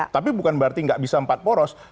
tapi bukan berarti nggak bisa empat poros